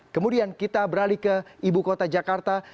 kemudian kita beralih ke ibu kota jakarta